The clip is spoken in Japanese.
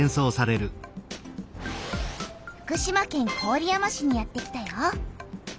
福島県郡山市にやってきたよ。